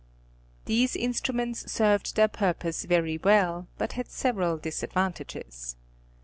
These instruments served their purpose very well, but had several disadvantages.